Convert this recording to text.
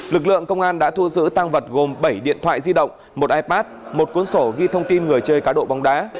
lực lượng công an đã thu giữ tăng vật gồm bảy điện thoại di động một ipad một cuốn sổ ghi thông tin người chơi cá độ bóng đá